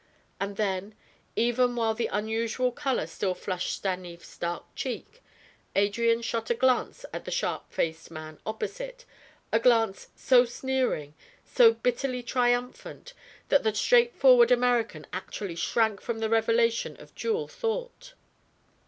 And then, even while the unusual color still flushed Stanief's dark cheek, Adrian shot a glance at a sharp faced man opposite, a glance so sneering, so bitterly triumphant, that the straightforward American actually shrank from the revelation of dual thought.